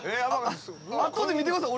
あとで見てください